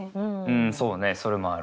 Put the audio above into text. そうねそれもある。